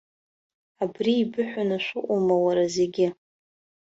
Абри еибыҳәаны шәыҟоума, уара, зегьы!